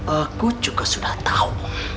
aku juga sudah tahu